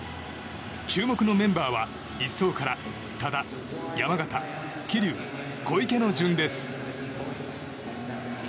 注目のメンバーは１走から多田、山縣桐生、小池の順です。